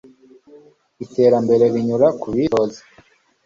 iterambere rinyura kubitoza